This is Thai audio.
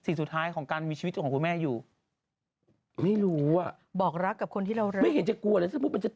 นางคิดแบบว่าไม่ไหวแล้วไปกด